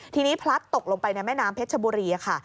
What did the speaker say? ทีนี้พลัดตกลงไปในแม่น้ำเพชรชบุรีค่ะ